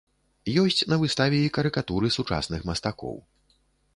Ёсць на выставе і карыкатуры сучасных мастакоў.